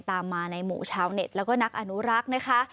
ตามมาในหมู่ชาวเน็ตแล้วก็นักอนุรักษ์นะคะ